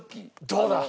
どうだ！